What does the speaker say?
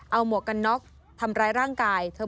เอาหมวกกันน็อกทำร้ายร่างกายเธอ